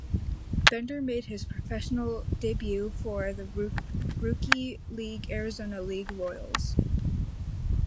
Bender made his professional debut for the Rookie League Arizona League Royals.